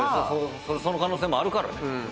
その可能性もあるからね。